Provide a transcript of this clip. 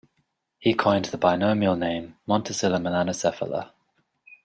He coined the binomial name "Montacilla melanocephala".